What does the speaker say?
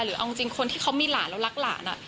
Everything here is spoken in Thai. เอาจริงคนที่เขามีหลานแล้วรักหลาน